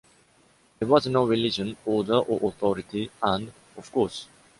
There was no religion, order or authority, and ... of course!